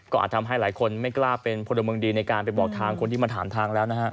ก็อาจทำให้หลายคนไม่กล้าเป็นพลเมืองดีในการไปบอกทางคนที่มาถามทางแล้วนะฮะ